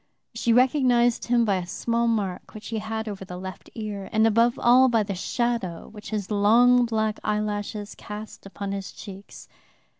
She recognized him by a small mark which he had over the left ear, and above all by the shadow which his long black eyelashes cast upon his cheeks.